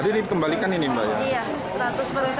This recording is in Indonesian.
ini dikembalikan ini mbak ya